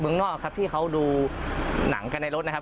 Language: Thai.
เมืองนอกที่เขาดูหนังกันในรถนะครับ